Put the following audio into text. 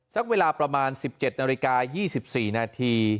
สักเวลาประมาณ๑๗นาฬิกา๒๔นาที